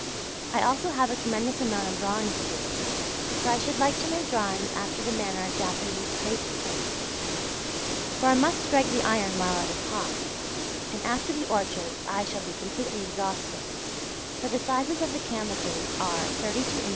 I also have a tremendous amount of drawing to do; for I should like to make drawings after the manner of Japanese crape prints. For I must strike the iron while it is hot, and after the orchards I shall be completely exhausted, for the sizes of the canvases are, 32 in.